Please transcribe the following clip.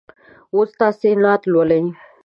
اوس تاسې نعت لولئ.